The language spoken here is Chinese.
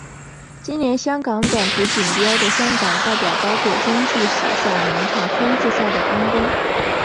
今年香港短途锦标的香港代表包括今季扫下两场分级赛的安畋。